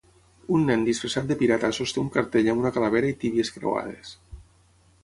Un nen disfressat de pirata sosté un cartell amb una calavera i tíbies creuades.